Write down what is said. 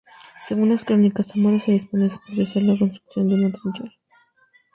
Según las crónicas, Zamora se disponía a supervisar la construcción de una trinchera.